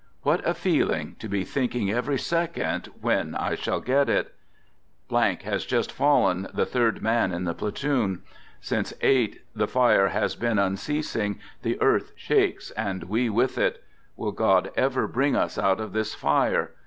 What a feeling to be thinking every second when I shall get it. has just fallen, the third man in the platoon. Since eight the fire has been unceasing: the earth shakes and we with it. Will God ever bring us out of this fire!